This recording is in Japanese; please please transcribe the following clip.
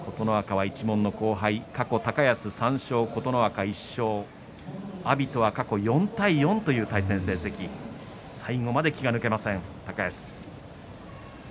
琴ノ若は一門の後輩、過去高安３勝、琴ノ若１勝阿炎とは過去４対４という対戦成績最後まで気が抜けません、高安。